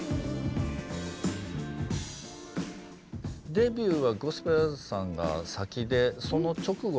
デビューはゴスペラーズさんが先でその直後に。